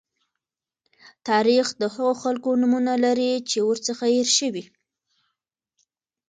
تاریخ د هغو خلکو نومونه لري چې ورڅخه هېر شوي.